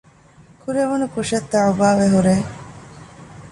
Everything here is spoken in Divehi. ކުރެވުނު ކުށަށް ތަޢުބާވެހުރޭ